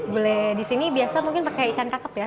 gulai disini biasa mungkin pakai ikan kakep ya